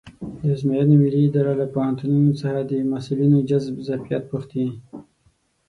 د ازموینو ملي اداره له پوهنتونونو څخه د محصلینو د جذب ظرفیت پوښتي.